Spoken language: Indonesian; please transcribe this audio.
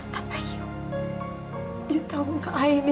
tapi ayah tau ayah ini